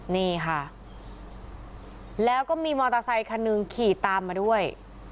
นี่ค่ะแล้วก็มีมอเตอร์ไซคันหนึ่งขี่ตามมาด้วย